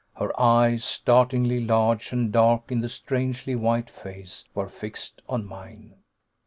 Her eyes, startlingly large and dark in the strangely white face, were fixed on mine.